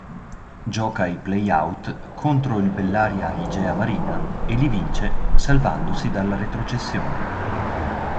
Gioca i Play-out contro il Bellaria Igea Marina, e li vince, salvandosi dalla retrocessione.